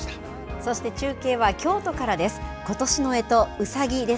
そして中継は京都からです。